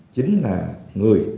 chính là người